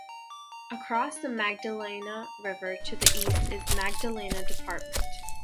Across the Magdalena River to the east is Magdalena Department.